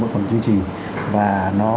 nó còn duy trì và nó